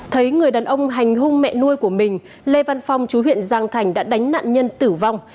thấy người đàn ông hành hung mẹ nuôi của mình lê văn phong chú huyện giang thành đã đánh nạn nhân tử vong